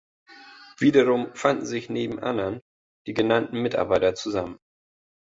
Wiederum fanden sich neben anderen die genannten Mitarbeiter zusammen.